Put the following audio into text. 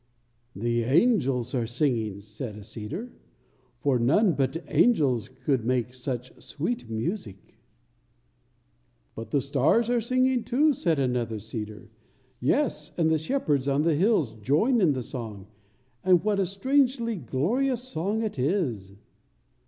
"The angels are singing," said a cedar; "for none but angels could make such sweet music." "But the stars are singing, too," said another cedar; "yes, and the shepherds on the hills join in the song, and what a strangely glorious song it is!"